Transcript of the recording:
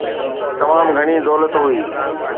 تمام گهڻي دولت هئي.